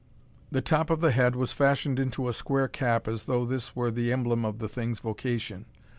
The top of the head was fashioned into a square cap as though this were the emblem of the thing's vocation.